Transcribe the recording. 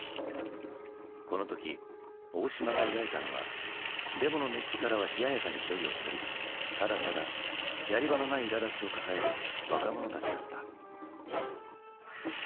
この時大島が描いたのはデモの熱気からは冷ややかに距離をとりただただやり場のないいらだちを抱える若者たちだった。